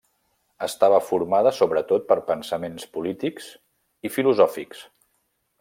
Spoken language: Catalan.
Estava formada sobretot per pensaments polítics i filosòfics.